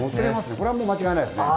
これは間違いないですね。